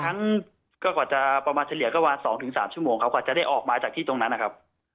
ครั้งก็กว่าจะประมาณเฉลี่ยก็ประมาณ๒๓ชั่วโมงครับกว่าจะได้ออกมาจากที่ตรงนั้นนะครับ